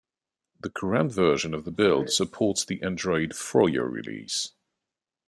The current version of the build supports the Android Froyo release.